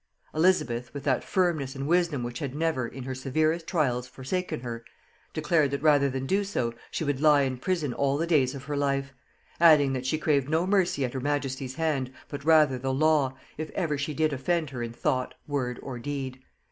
Elizabeth, with that firmness and wisdom which had never, in her severest trials, forsaken her, declared that rather than do so, she would lie in prison all the days of her life; adding, that she craved no mercy at her majesty's hand, but rather the law, if ever she did offend her in thought, word, or deed.